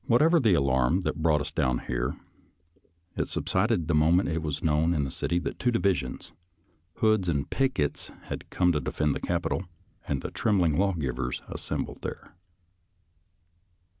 Whatever the alarm that brought us down here, it subsided the moment it was known in the city that two divisions, Hood's and Pickett's, had come to defend the Capital and the trembling lawgivers assembled there.